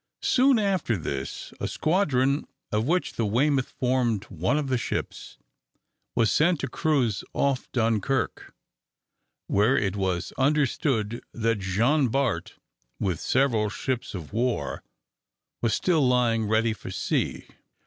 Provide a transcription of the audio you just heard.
Soon after this, a squadron of which the "Weymouth" formed one of the ships, was sent to cruise off Dunkirk, where it was understood that Jean Bart, with several ships of war, was still lying ready for sea.